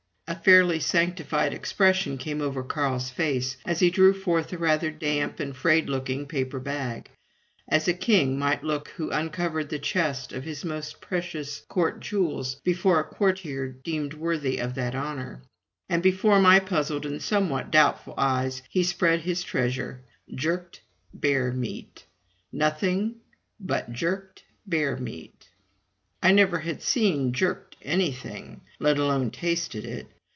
A fairly sanctified expression came over Carl's face as he drew forth a rather damp and frayed looking paper bag as a king might look who uncovered the chest of his most precious court jewels before a courtier deemed worthy of that honor. And before my puzzled and somewhat doubtful eyes he spread his treasure jerked bear meat, nothing but jerked bear meat. I never had seen jerked anything, let alone tasted it.